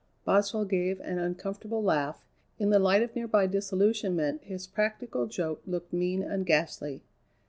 Boswell gave an uncomfortable laugh. In the light of nearby disillusionment his practical joke looked mean and ghastly.